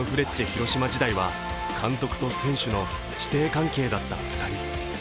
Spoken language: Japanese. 広島時代は監督と選手の師弟関係だった２人。